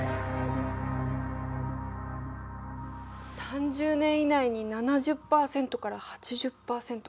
３０年以内に７０％から８０％か。